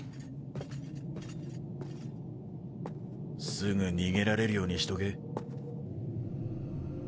すぐ逃げられるようにしとけ。